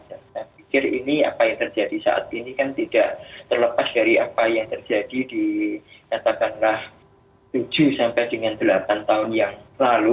saya pikir ini apa yang terjadi saat ini kan tidak terlepas dari apa yang terjadi di katakanlah tujuh sampai dengan delapan tahun yang lalu